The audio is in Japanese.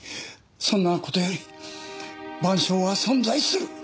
そんなことより『晩鐘』は存在する！